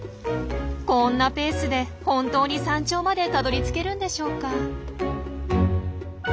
こんなペースで本当に山頂までたどりつけるんでしょうか？